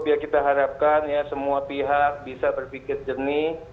biar kita harapkan ya semua pihak bisa berpikir jernih